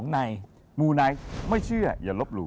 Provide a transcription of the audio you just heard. ในมูไนท์ไม่เชื่ออย่าลบหลู่